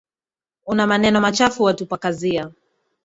Una maneno machafu watupakazia.